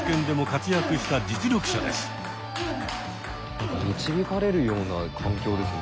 何か導かれるような環境ですね。